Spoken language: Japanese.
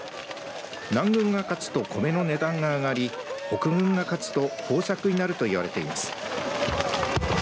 南軍が勝つと米の値段が上がり北軍が勝つと豊作になるといわれています。